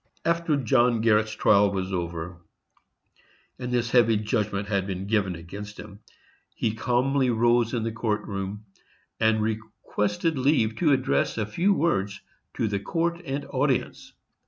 After John Garret's trial was over, and this heavy judgment had been given against him, he calmly rose in the court room, and requested leave to address a few words to the court and audience.